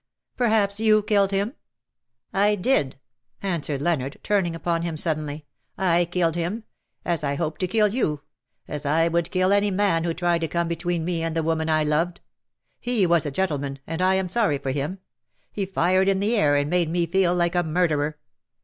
" Perhaps you killed him ?"" I did," answered Leonard, turning upon him suddenly. " I killed him : as I hope to kill you : as I would kill any man who tried to come between me and the woman I loved. He was a gentleman, and I am sorry for him. He fired in the air, and made me feel like a murderer.